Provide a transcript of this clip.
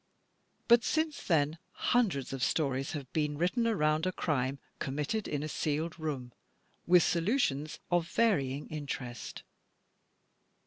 But since then, himdreds of stories have been written aroimd a crime com mitted in a sealed room, with solutions of varying interest.